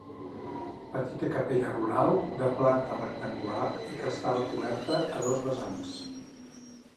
Petita capella rural de planta rectangular i que estava coberta a dos vessants.